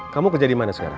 kamu kerja di mana sekarang